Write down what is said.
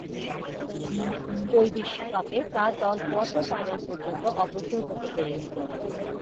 ঐ বিশ্বকাপে তার দল কোয়ার্টার ফাইনাল পর্যন্ত অগ্রসর হতে পেরেছিল।